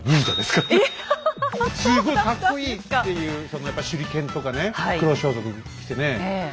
すごいカッコいいっていうそのやっぱり手裏剣とかね黒装束着てね